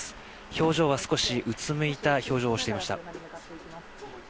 表情は少しうつむいた表情をしていました。